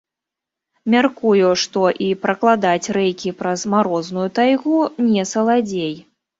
Мяркую, што і пракладаць рэйкі праз марозную тайгу не саладзей.